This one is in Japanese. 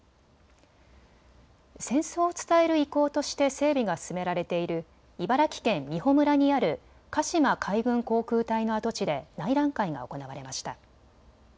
戦争を伝える遺構として整備が進められている茨城県美浦村にある鹿島海軍航空隊の跡地で内覧会が行われました。